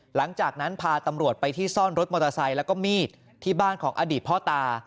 หลังจากนั้นพาตำรวจไปที่ซ่อนรถมอเตอร์ไซค์แล้วก็มีดที่บ้านของอดีตพ่อตา